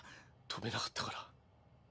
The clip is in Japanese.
飛べなかったから？